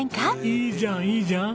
いいじゃんいいじゃん。